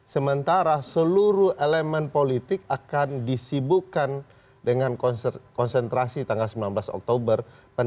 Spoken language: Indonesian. sementara seluruh elemen politik akan disibukkan dengan konsentrasi tanggal sembilan belas oktober